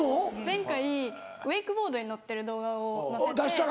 前回ウェイクボードに乗ってる動画を載せて。